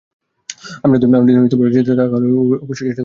আমরা যদি ওটা জিততে পারি তাহলে অবশ্যই চেষ্টা করব শেষ ম্যাচটি জিততে।